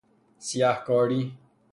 سیه کاری